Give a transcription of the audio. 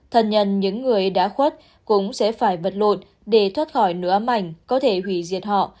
thân nhân những người đã khuất cũng sẽ phải vật lộn để thoát khỏi nứa mảnh có thể hủy diệt họ